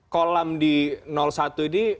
kolam di satu ini